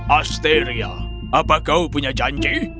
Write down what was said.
asteria apa kau punya janji